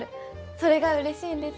それがうれしいんです。